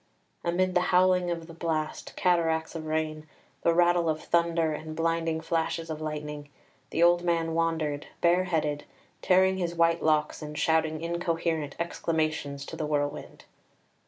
Amid the howling of the blast, cataracts of rain, the rattle of thunder, and blinding flashes of lightning, the old man wandered, bareheaded, tearing his white locks, and shouting incoherent exclamations to the whirlwind.